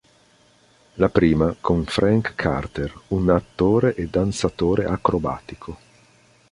La prima con Frank Carter, un attore e danzatore acrobatico.